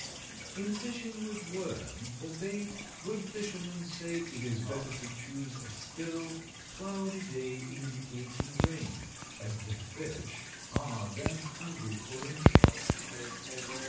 In fishing with worm for bait, good fishermen say, it is better to choose a still, cloudy day indicating rain, as the fish are then hungry for insects.